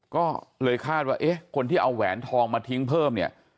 ก็เลยคาดว่าเอ๊ะคนที่เอาแหวนทองมาทิ้งเพิ่มเนี่ย